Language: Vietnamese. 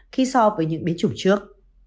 khi so với những biến chủng trước